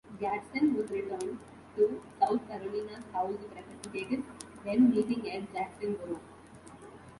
Gadsden was returned to South Carolina's House of Representatives, then meeting at Jacksonboro.